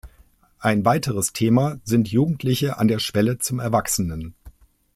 Ein weiteres Thema sind Jugendliche an der Schwelle zum Erwachsenen.